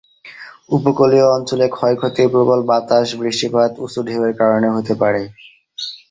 উপকূলীয় অঞ্চলে ক্ষয়ক্ষতি প্রবল বাতাস, বৃষ্টিপাত, উঁচু ঢেউয়ের কারণে হতে পারে।